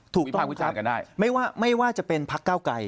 ถูกต้องครับไม่ว่าจะเป็นพักเก้าไกร